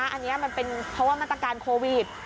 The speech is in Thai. อันนี้เพราะว่ามันต้องการโควิด